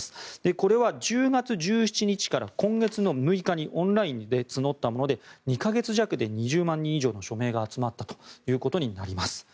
これは１０月１７日から今月６日にオンラインで募ったもので２か月弱で２０万人以上の署名が集まったということになります。